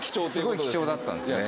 すごい貴重だったんですね。